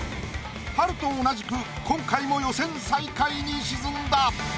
春と同じく今回も予選最下位に沈んだ。